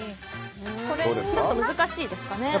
ちょっと難しいですかね。